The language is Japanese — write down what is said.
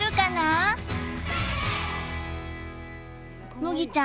むぎちゃん